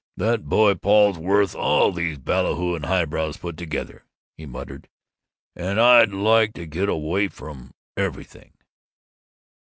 "That boy Paul's worth all these ballyhooing highbrows put together," he muttered; and, "I'd like to get away from everything."